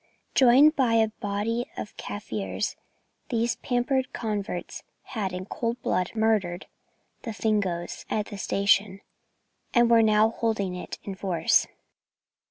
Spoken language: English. Joined by a body of Kaffirs, these pampered converts had in cold blood murdered the Fingoes at the station, and were now holding it in force.